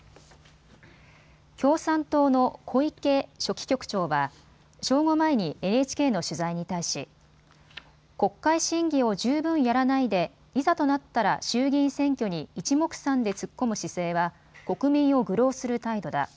共産党の小池書記局長は正午前にＮＨＫの取材に対し国会審議を十分やらないでいざとなったら衆議院選挙にいちもくさんで突っ込む姿勢は国民を愚弄する態度だ。